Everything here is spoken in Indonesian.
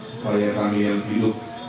supaya kami yang hidup